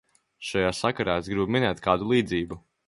Šajā sakarā es gribu minēt kādu līdzību.